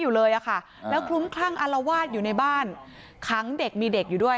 อยู่เลยอะค่ะแล้วคลุ้มคลั่งอารวาสอยู่ในบ้านขังเด็กมีเด็กอยู่ด้วย